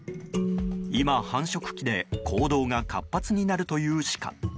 今、繁殖期で行動が活発になるというシカ。